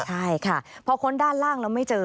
ใช่ค่ะพอค้นด้านล่างแล้วไม่เจอ